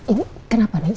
ini kenapa nih